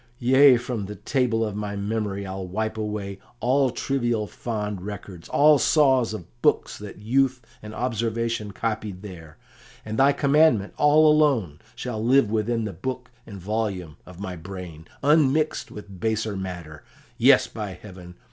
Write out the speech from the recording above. Yea, from the table of my memory I'll wipe away all trivial fond records, all saws of books that youth and observation copied there, and thy commandment all alone shall live within the book and volume of my brain, unmixed with baser matter; yes, by heaven!